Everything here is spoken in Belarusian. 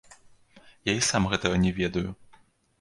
Я і сам гэтага не ведаю.